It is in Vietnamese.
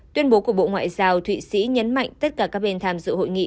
tuyên bố của bộ ngoại giao thụy sĩ nhấn mạnh tất cả các bên tham dự hội nghị